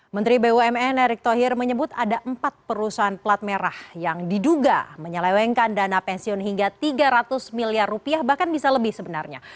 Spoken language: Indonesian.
menteri bumn erick thohir menyebut ada empat perusahaan plat merah yang diduga menyelewengkan dana pensiun hingga tiga ratus miliar rupiah bahkan bisa lebih sebenarnya